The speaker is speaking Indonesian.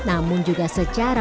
namun juga secara